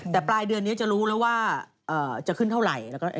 แต่ปลายเดือนนี้จะรู้แล้วว่าจะขึ้นเท่าไหร่